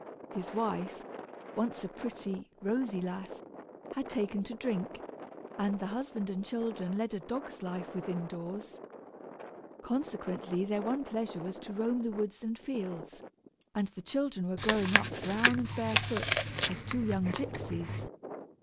His wife, once a pretty, rosy lass, had taken to drink, and the husband and children led a dog's life within doors. Consequently, their one pleasure was to roam the woods and fields, and the children were growing up brown and barefoot as two young gypsies.